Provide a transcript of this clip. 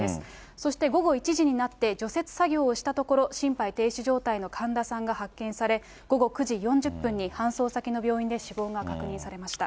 そして午後１時になって、除雪作業をしたところ、心肺停止状態の神田さんが発見され、午後９時４０分に搬送先の病院で死亡が確認されました。